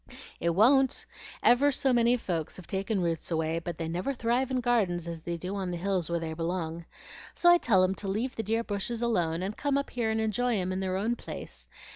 "It won't! ever so many folks have taken roots away, but they never thrive in gardens as they do on the hills where they belong. So I tell 'em to leave the dear bushes alone, and come up here and enjoy 'em in their own place.